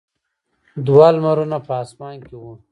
دوه لمرونه په اسمان کې وو.